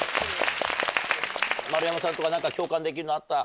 丸山さんとか何か共感できるのあった？